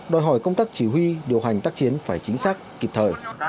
đòi hỏi công tác chỉ huy điều hành tác chiến phải chính xác kịp thời